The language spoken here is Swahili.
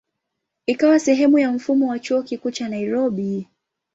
Ikawa sehemu ya mfumo wa Chuo Kikuu cha Nairobi.